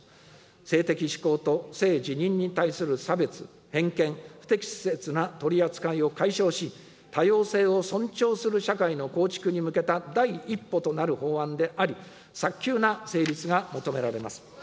性的指向と性自認に対する差別、偏見、不適切な取り扱いを解消し、多様性を尊重する社会の構築に向けた第一歩となる法案であり、早急な成立が求められます。